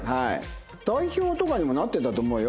代表とかにもなってたと思うよ。